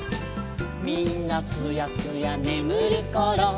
「みんなすやすやねむるころ」